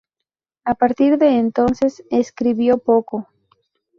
A partir de entonces, escribió poco.